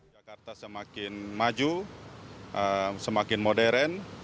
jakarta semakin maju semakin modern